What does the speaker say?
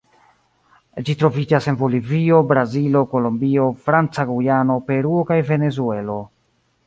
Ĝi troviĝas en Bolivio, Brazilo, Kolombio, Franca Gujano, Peruo kaj Venezuelo.